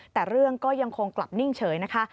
แต่เรื่องก็ยังคงกลับนิ่งเฉยนะคะ